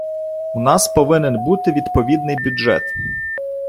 У нас повинен бути відповідний бюджет.